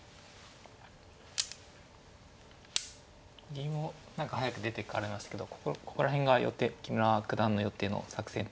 銀を何か早く出ていかれましたけどここら辺が木村九段の予定の作戦ということでしょうか。